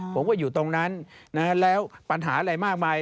ผมก็อยู่ตรงนั้นแล้วปัญหาอะไรมากมาย